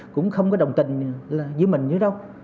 cũng không có đồng tình với mình nữa đâu